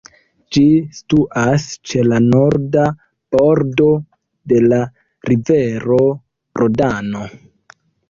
Ĝi situas ĉe la norda bordo de la rivero Rodano.